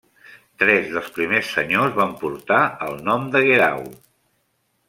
Tres dels primers senyors van portar el nom de Guerau.